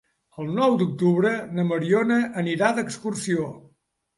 El nou d'octubre na Mariona anirà d'excursió.